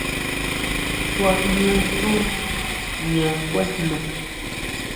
Kuaʼñu xú jña kuejna.